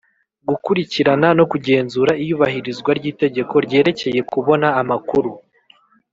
Gukurikirana no kugenzura iyubahirizwa ry itegeko ryerekeye kubona amakuru